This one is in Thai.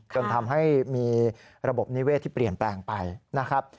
จนทำให้มีระบบนิเวศที่เปลี่ยนแปลงไปนะครับ